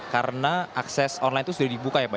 karena akses online itu sudah dibuka ya pak